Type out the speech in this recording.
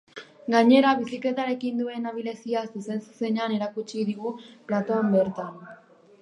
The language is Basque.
Gainera, bizikletarekin duen abilezia zuzen-zuzenean erakutsiko digu platoan bertan.